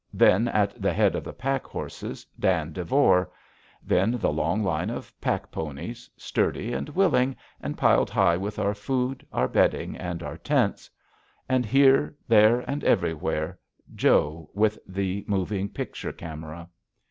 Then, at the head of the pack horses, Dan Devore. Then the long line of pack ponies, sturdy and willing, and piled high with our food, our bedding, and our tents. And here, there, and everywhere, Joe, with the moving picture camera.